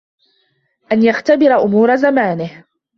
أَنْ يَخْتَبِرَ أُمُورَ زَمَانِهِ